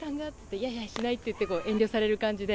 いやいや、しないって遠慮される感じで。